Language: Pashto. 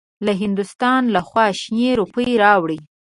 له هندوستان لخوا شنې روپۍ راوړې.